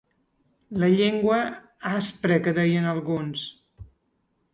La llengua aspra que deien alguns.